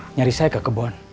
nyari saya ke kebon